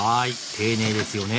丁寧ですよね。